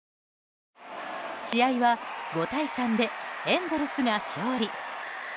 試合は５対３でエンゼルスが勝利。